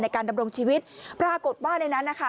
การดำรงชีวิตปรากฏว่าในนั้นนะคะ